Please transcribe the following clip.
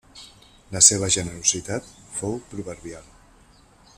La seva generositat fou proverbial.